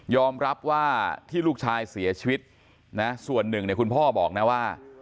รับว่าที่ลูกชายเสียชีวิตนะส่วนหนึ่งเนี่ยคุณพ่อบอกนะว่า